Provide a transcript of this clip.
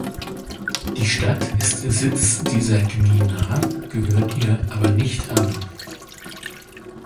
Die Stadt ist Sitz dieser Gmina, gehört ihr aber nicht an.